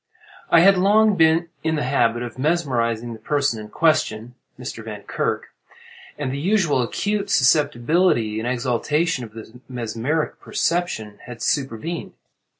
I had been long in the habit of mesmerizing the person in question (Mr. Vankirk), and the usual acute susceptibility and exaltation of the mesmeric perception had supervened.